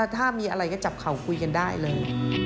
ถ้ามีอะไรก็จับเข่าคุยกันได้เลย